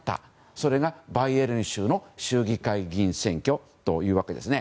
それがバイエルン州の州議会選挙というわけです。